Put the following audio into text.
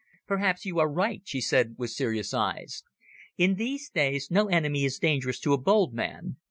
"Perhaps you are right," she said with serious eyes. "In these days no enemy is dangerous to a bold man.